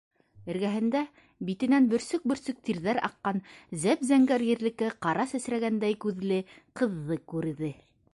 Эргәһендә битенән бөрсөк-бөрсөк тирҙәр аҡҡан зәп-зәңгәр ерлеккә ҡара сәсрәгәндәй күҙле ҡыҙҙы күрҙе.